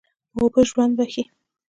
اوبه ژوند بښي.